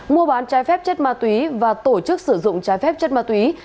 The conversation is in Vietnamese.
mua bán trái phép chất ma túy và tổ chức sử dụng trái phép chất ma túy